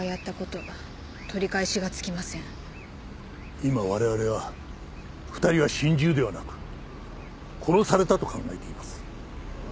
今我々は２人は心中ではなく殺されたと考えています。